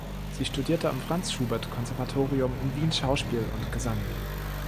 Sie studierte am Franz Schubert Konservatorium in Wien Schauspiel und Gesang.